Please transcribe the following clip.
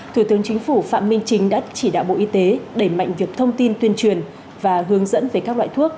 thủ tướng chính phủ phạm minh chính đã chỉ đạo bộ y tế đẩy mạnh việc thông tin tuyên truyền và hướng dẫn về các loại thuốc